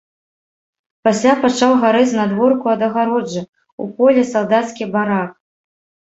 Пасля пачаў гарэць знадворку ад агароджы, у полі, салдацкі барак.